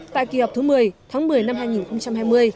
tại kỳ họp thứ một mươi tháng một mươi năm hai nghìn hai mươi